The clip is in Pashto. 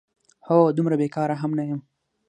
هو، دومره بېکاره هم نه یم؟!